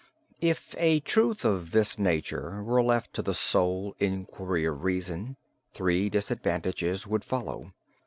"If a truth of this nature were left to the sole inquiry of reason, three disadvantages would follow.